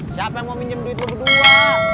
siapa yang mau minjem duit lo kedua